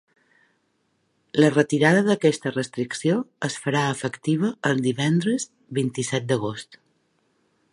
La retirada d’aquesta restricció es farà efectiva el divendres vint-i-set d’agost.